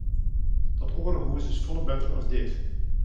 Dat oare hús is folle better as dit.